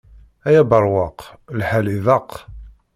Ay aberwaq, lḥal iḍaq.